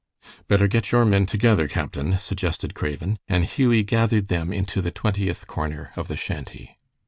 "Better get your men together, captain," suggested Craven, and Hughie gathered them into the Twentieth corner of the shanty.